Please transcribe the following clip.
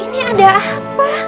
ini ada apa